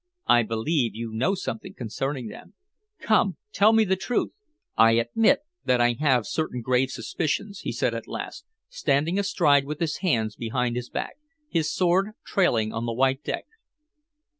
"I believe you know something concerning them. Come, tell me the truth." "I admit that I have certain grave suspicions," he said at last, standing astride with his hands behind his back, his sword trailing on the white deck.